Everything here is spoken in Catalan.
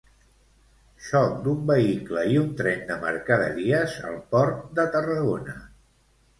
Xoc d'un vehicle i un tren de mercaderies al Port de Tarragona.